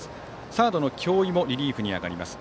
サードの京井もリリーフに上がります。